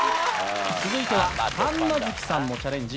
続いては神奈月さんのチャレンジ。